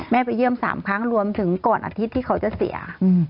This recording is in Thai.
ไปเยี่ยม๓ครั้งรวมถึงก่อนอาทิตย์ที่เขาจะเสีย